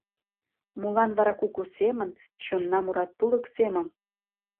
Молан вара куку семын Чонна мура тулык семым?